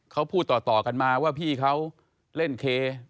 เขาพูดต่อกันมาว่าพี่เขาเล่นเค